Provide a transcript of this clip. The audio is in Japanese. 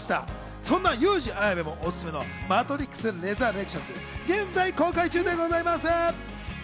そんなユウジ・アヤベもおすすめの『マトリックスレザレクションズ』現在公開中でございます。